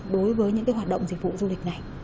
đối với những cái hoạt động dịch vụ du lịch này